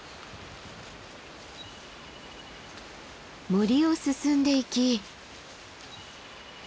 森を進んでいき。